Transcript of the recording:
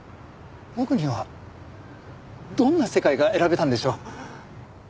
僕にはどんな世界が選べたんでしょう？